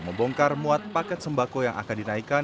membongkar muat paket sembako yang akan dinaikkan